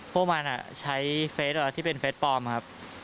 พวกมันใช้เฟสที่เป็นเฟสปลอมครับ